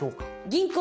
銀行！